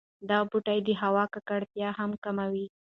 دا بوټي د هوا ککړتیا هم کموي.